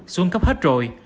xuống cấp hết rồi